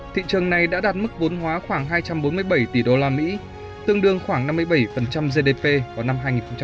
thị trường này đã đạt mức vốn hóa khoảng hai trăm bốn mươi bảy tỷ usd tương đương khoảng năm mươi bảy gdp vào năm hai nghìn hai mươi